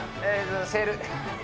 セール。